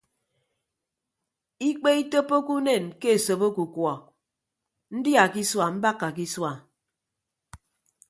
Ikpe itoppoke unen ke esop ọkukuọ ndia ke isua mbakka ke isua.